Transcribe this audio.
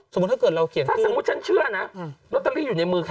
สมมุติฉันเชื่อนะลอตเตอรี่อยู่ในมือใคร